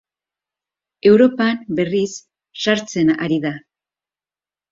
Europan, berriz, sartzen ari da.